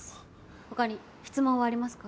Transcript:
他に質問はありますか？